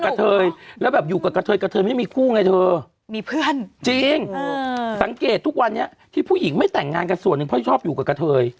ด้วยแบบมีกับเธอยังหรอ